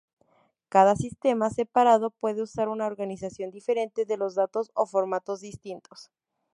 Cada sistema separado puede usar una organización diferente de los datos o formatos distintos.